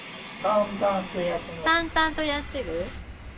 淡々とやってる？